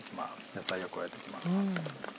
野菜を加えていきます。